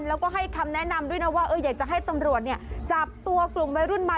แล้วก็ให้คำแนะนำด้วยนะว่าอยากจะให้ตำรวจจับตัวกลุ่มวัยรุ่นมา